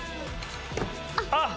あっ。